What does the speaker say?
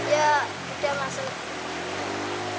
ya tidak masuk